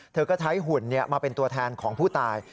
เธอก็ใช้หุ่นมาเป็นตัวแทนของผู้ตาย